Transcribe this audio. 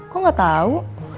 kok gak tahu